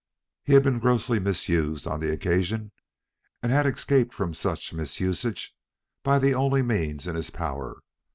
He had been grossly misused on the occasion, and had escaped from such misusage by the only means in his power.